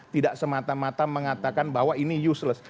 tidak semata mata mengatakan bahwa ini useless